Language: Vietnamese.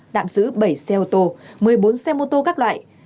tạm giữ bảy xe ô tô một mươi bốn xe mô tô các loại